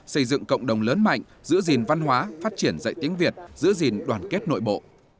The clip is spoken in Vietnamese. xây dựng cộng đồng lớn mạnh giữ gìn văn hóa phát triển dạy tiếng việt giữ gìn đoàn kết nội bộ